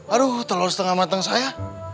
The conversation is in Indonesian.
aduh telur setengah matang saya